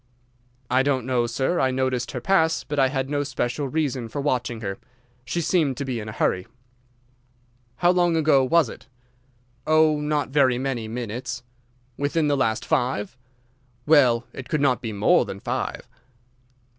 "'I don't know, sir. I noticed her pass, but I had no special reason for watching her. She seemed to be in a hurry.' "'How long ago was it?' "'Oh, not very many minutes.' "'Within the last five?' "'Well, it could not be more than five.